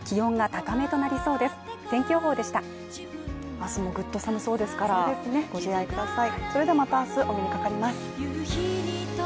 明日もぐっと寒そうですからご自愛ください。